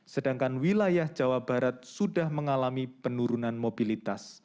sedangkan wilayah jawa barat sudah mengalami penurunan mobilitas